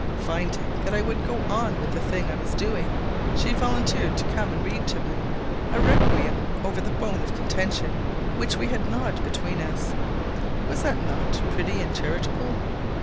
Finding that I would go on with the thing I was doing, she volunteered to come and read to me: a requiem over the bone of contention which we had gnawed between us. Was not that pretty and charitable?